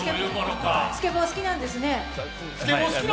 スケボーお好きなんですね。